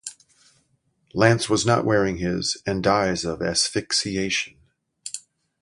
Lance was not wearing his, and dies of asphyxiation.